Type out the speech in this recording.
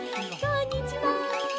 こんにちは。